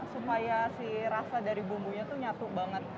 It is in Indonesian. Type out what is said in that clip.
supaya si rasa dari bumbunya tuh nyatu banget